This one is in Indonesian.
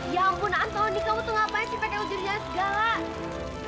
ya ampun antoni kamu tuh ngapain sih pakai ujurnya segala